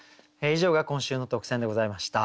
以上が今週の特選でございました。